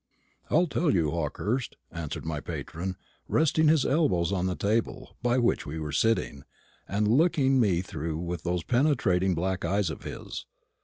"I'll tell you, Hawkehurst," answered my patron, resting his elbows on the table by which we were sitting, and looking me through with those penetrating black eyes of his.